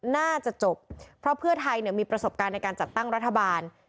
น่าจะจบเพราะเพื่อไทยมีประสบการณ์ในการจัดตั้งรัฐบาล